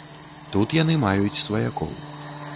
Тут яны маюць сваякоў.